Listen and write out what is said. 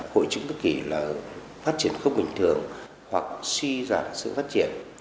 hội chứng cực kỳ là phát triển không bình thường hoặc suy giảm sự phát triển